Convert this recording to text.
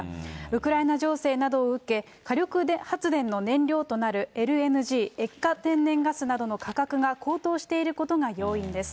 ウクライナ情勢などを受け、火力発電の燃料となるＬＮＧ・液化天然ガスなどの価格が高騰していることが要因です。